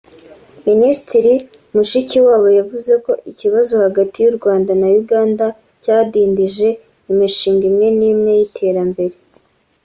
Minisitiri Mushikiwabo yavuze ko ikibazo hagati y’u Rwanda na Uganda cyadindije imishinga imwe n’imwe y’iterambere